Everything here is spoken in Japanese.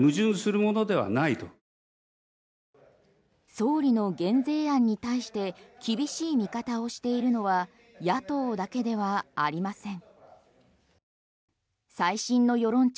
総理の減税案に対して厳しい見方をしているのは野党だけではありません。